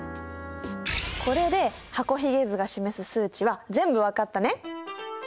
これで箱ひげ図が示す数値は全部分かったね！